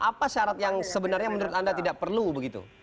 apa syarat yang sebenarnya menurut anda tidak perlu begitu